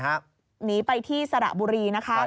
หนีไปที่สระบุรีนะคะ